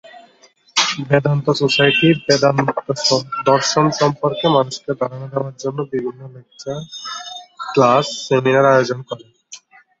Vedanta society Vedanta দর্শন সম্পর্কে মানুষকে ধারণা দেবার জন্য বিভিন্ন লেকচার, ক্লাস, সেমিনার আয়োজন করে।